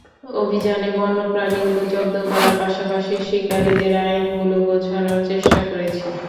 অভিযানে বন্য প্রাণীগুলো জব্দ করার পাশাপাশি শিকারিদের আইনগুলো বোঝানোর চেষ্টা করেছি।